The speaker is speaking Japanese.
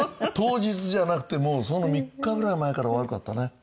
当日じゃなくてもうその３日ぐらい前から悪かったね。